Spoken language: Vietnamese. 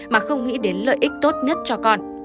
mà không nghĩ đến lợi ích tốt nhất cho con